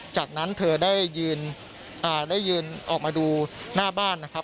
จากนั้นเธอได้ยืนออกมาดูหน้าบ้านนะครับ